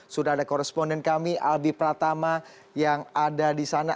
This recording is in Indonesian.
sudah ada koresponden kami albi pratama yang ada di sana